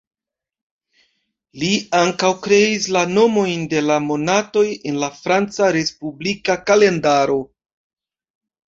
Li ankaŭ kreis la nomojn de la monatoj en la Franca respublika kalendaro.